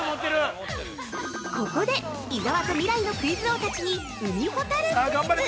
◆ここで伊沢と未来のクイズ王たちに海ほたるクイズ！